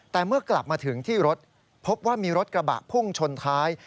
แต่เมื่อกลับมาถึงที่รถพบว่ามีรถกระบะพุ่งชนท้าย